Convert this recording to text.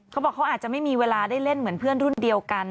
เขาบอกเขาอาจจะไม่มีเวลาได้เล่นเหมือนเพื่อนรุ่นเดียวกัน